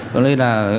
cho nên là